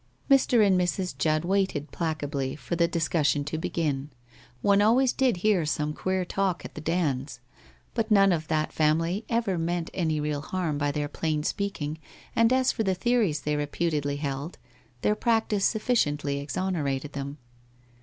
Mr. and Mrs. Judd waited placably for the discus sion to begin ; one always did hear some queer talk at the Dands', but none of that family ever meant any real harm by their plain speaking, and as for the theories they re putedly held, their practice sufficiently exonerated them.